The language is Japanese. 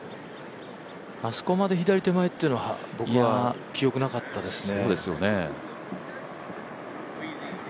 あそこまで左手前というのは僕は記憶なかったですね。